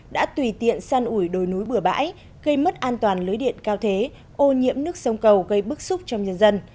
đã tùy tiện săn ủi đồi núi bửa bãi gây mất an toàn lưới điện cao thế ô nhiễm nước sông cầu gây bức xúc trong dân dân